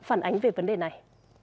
phản ánh về vấn đề này